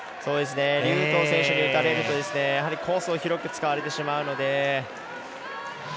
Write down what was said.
劉禹とう選手に打たれるとコースを広く使われてしまうので。